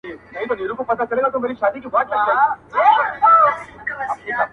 لاس دي رانه کړ اوبو چي ډوبولم.!